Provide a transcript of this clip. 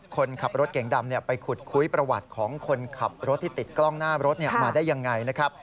คนขับรถเก่งดำไปขุดคุยประวัติของคนขับรถที่ติดกล้องหน้ารถมาได้ยังไงนะครับ